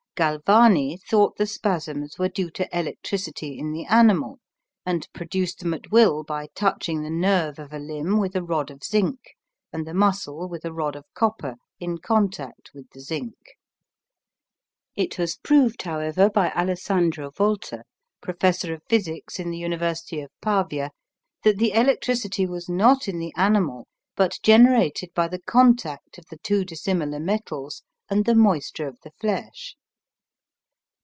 Galvani thought the spasms were due to electricity in the animal, and produced them at will by touching the nerve of a limb with a rod of zinc, and the muscle with a rod of copper in contact with the zinc. It was proved, however, by Alessanjra Volta, professor of physics in the University of Pavia, that the electricity was not in the animal but generated by the contact of the two dissimilar metals and the moisture of the flesh.